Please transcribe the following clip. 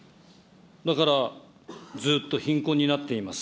だから、ずっと貧困になっています。